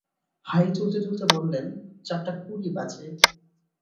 High তুলতে-তুলতে বললেন, চারটা কুড়ি বাজে।